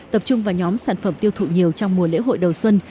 tập trung vào nhóm sản phẩm tiêu thụ nhiều trong mùa lễ hội đầu xuân